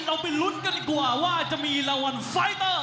เราไปลุ้นกันดีกว่าว่าจะมีรางวัลไฟเตอร์